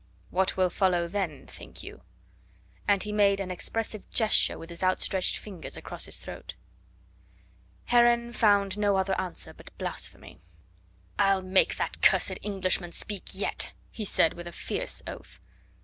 What will follow then, think you?" And he made an expressive gesture with his outstretched fingers across his throat. Heron found no other answer but blasphemy. "I'll make that cursed Englishman speak yet," he said with a fierce oath.